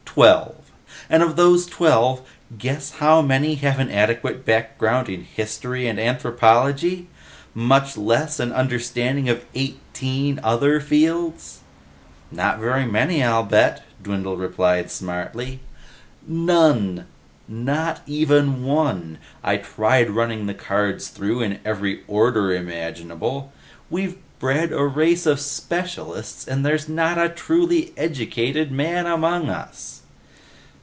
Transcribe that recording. Twelve. And of those twelve, guess how many have an adequate background in History and Anthropology? Much less an understanding of eighteen other fields?" "Not very many, I'll bet," Dwindle replied smartly. "None! Not even one! I tried running the cards through in every order imaginable. We've bred a race of specialists and there's not a truly educated man among us!"